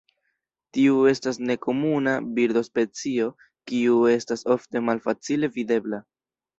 Tiu estas nekomuna birdospecio kiu estas ofte malfacile videbla.